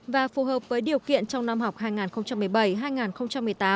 và phù hợp với điều kiện trong năm học hai nghìn một mươi bảy